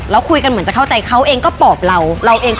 แล้วเราตอบว่า